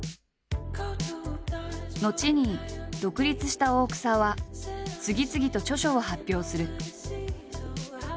後に独立した大草は次々と著書を発表する。